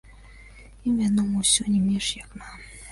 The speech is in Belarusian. Ім вядома ўсё не менш, як нам.